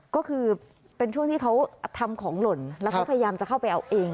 ก็คือเป็นช่วงที่เขาทำของหล่นแล้วเขาพยายามจะเข้าไปเอาเอง